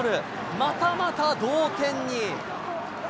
またまた同点に。